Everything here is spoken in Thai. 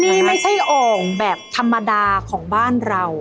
นี่ไม่ใช่โอ่งแบบธรรมดาของบ้านเรา